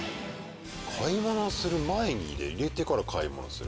買い物をする前に入れてから買い物する。